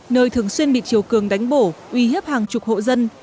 nơi thường xuyên bị chiều cường đánh bổ uy hiếp hàng chục hộ dân